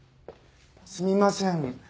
すみません。